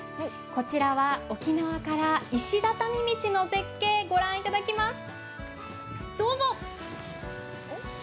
こちらは沖縄から石畳道の絶景、御覧いただきます。